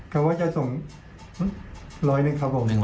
เขาว่าจะส่งร้อยหนึ่งครับผม